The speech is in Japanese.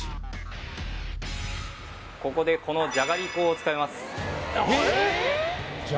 ここでこのじゃがりこを使います